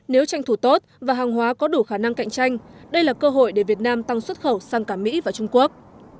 nếu tranh thủ tốt và hàng hóa có đủ khả năng cạnh tranh đây là cơ hội để việt nam tăng xuất khẩu sang cả mỹ và trung quốc